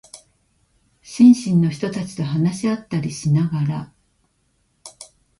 新進の人たちと話し合ったりしながら、